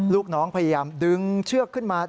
ลูกน้องพยายามดึงเชือกขึ้นมา